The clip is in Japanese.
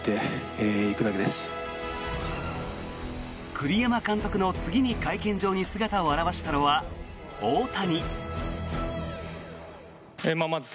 栗山監督の次に会見場に姿を現したのは大谷。